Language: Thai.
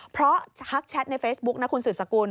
เพราะทักแชทในเฟซบุ๊กคุณศึกษกุล